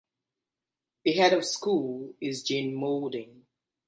The Head of School is Jane Moulding.